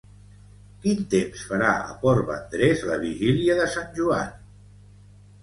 Quin temps farà a Port Vendres la vigília de Sant Joan?